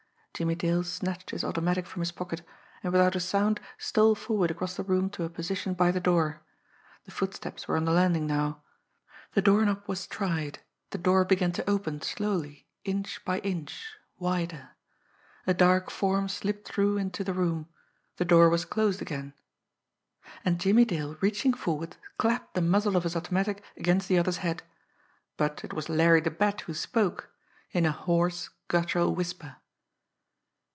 Jimmie Dale snatched his automatic from his pocket, and without a sound stole forward across the room to a position by the door. The footsteps were on the landing now. The doorknob was tried; the door began to open slowly, inch by inch, wider; a dark form slipped through into the room; the floor was closed again and Jimmie Dale, reaching forward, clapped the muzzle of his automatic against the other's head. But it was Larry the Bat who spoke in a hoarse, guttural whisper.